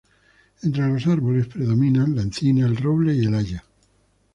Entre los árboles predominan la encina, el roble y el haya.